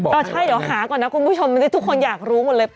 ใช่เดี๋ยวหาก่อนครูผู้ชมมันทุกคนอยากรู้หมดเลย